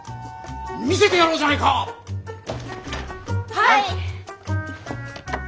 はい！